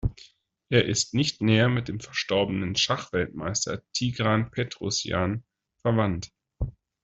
Er ist nicht näher mit dem verstorbenen Schachweltmeister Tigran Petrosjan verwandt.